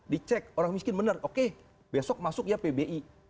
dicek orang miskin benar oke besok masuk ya pbi